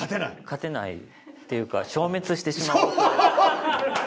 勝てないっていうか消滅してしまう。